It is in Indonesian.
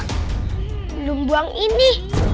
belum buang ini